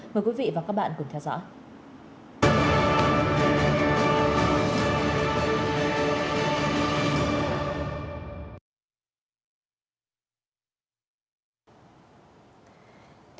mời quý vị và các bạn cùng theo dõi